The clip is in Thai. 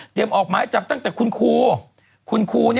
เตรียมออกหมายจับตั้งแต่คุณครู